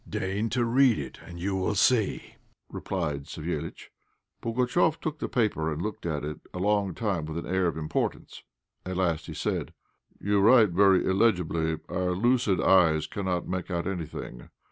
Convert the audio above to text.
"Deign to read it, and you will see," replied Savéliitch. Pugatchéf took the paper and looked at it a long time with an air of importance. At last he said "You write very illegibly; our lucid eyes cannot make out anything.